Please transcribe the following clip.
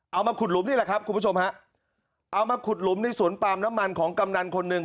เอามาขุดหลุมนี่แหละครับคุณผู้ชมฮะเอามาขุดหลุมในสวนปาล์มน้ำมันของกำนันคนหนึ่ง